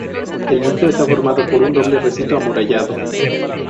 El núcleo está formado por un doble recinto amurallado.